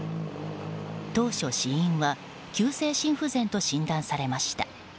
当初、死因は急性心不全と診断されました。